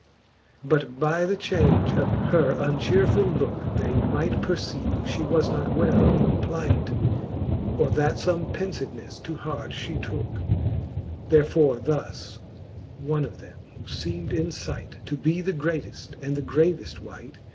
But by the change of her unchearfuU looke, They might perceive, fhe was not well in plight ; Or that fome penfivenefle to heart flie tooke. Therefore thus one of them, who feem'd in fight To be the greateft and the graved wight.